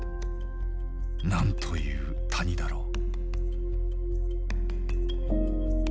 なんという谷だろう。